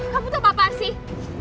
kamu itu apa sih